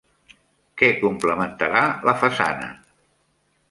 Què complementarà la façana?